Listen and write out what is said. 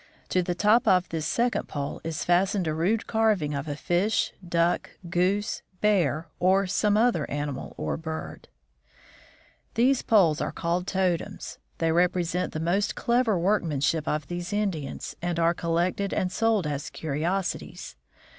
To the top of this second pole is fastened a rude carving of a fish, duck, goose, bear, or some other animal or bird. 100 THE FROZEN NORTH These poles are called totems. They represent the most clever workmanship of these Indians, and are collected and sold as curiosities.